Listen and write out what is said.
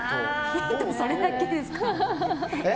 ヒントそれだけですか？